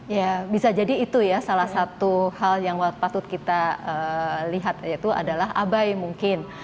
ya bisa jadi itu ya salah satu hal yang patut kita lihat yaitu adalah abai mungkin